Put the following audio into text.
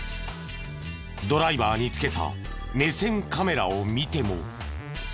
ドライバーに付けた目線カメラを見ても。